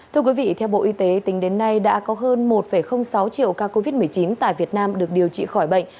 thưa quý vị theo bộ y tế tính đến nay đã có hơn một sáu triệu ca covid một mươi chín tại việt nam được điều trị khỏi bệnh